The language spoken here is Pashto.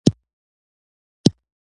زېړو اوږدو وېښتانو به يې مخ پټ کړ.